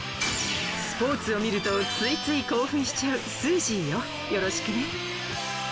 スポーツを見るとついつい興奮しちゃうスージーよよろしくね。